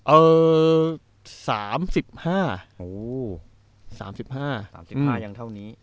เอ่อ๓๕๓๕อย่างเท่านี้